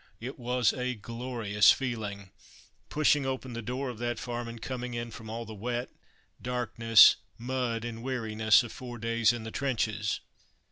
It was a glorious feeling, pushing open the door of that farm and coming in from all the wet, darkness, mud and weariness of four days in the trenches.